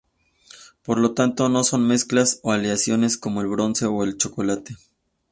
Por lo tanto, no son mezclas o aleaciones como el bronce o el chocolate.